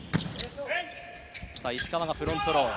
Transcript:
石川がフロントロー。